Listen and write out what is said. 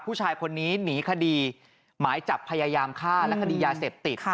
ผู้ชายคนนี้หนีคดีหมายจับพยายามฆ่าและคดียาเสพติด